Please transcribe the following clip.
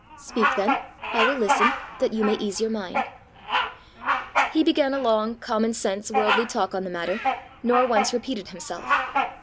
"Speak then; I will listen that you may ease your mind." He began a long, common sense, worldly talk on the matter, nor once repeated himself.